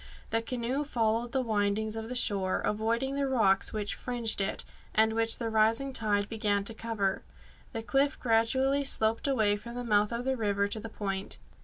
The canoe followed the windings of the shore, avoiding the rocks which fringed it, and which the rising tide began to cover. The cliff gradually sloped away from the mouth of the river to the point.